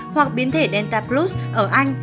hoặc biến thể delta plus ở anh